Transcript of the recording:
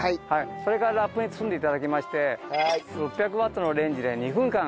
それからラップに包んで頂きまして６００ワットのレンジで２分間加熱してください。